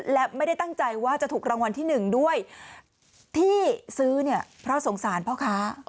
และไม่ได้ตั้งใจว่าจะถูกรางวัลที่๑ด้วยที่ซื้อเนี่ยเพราะสงสารพ่อค้า